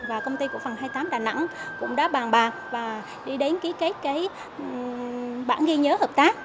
và công ty của phần hai mươi tám đà nẵng cũng đã bàn bạc và đi đánh ký bản ghi nhớ hợp tác